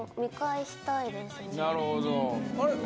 なるほど。